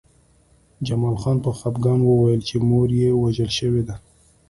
جمال خان په خپګان وویل چې مور یې وژل شوې ده